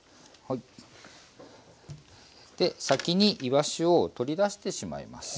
で先にいわしを取り出してしまいます。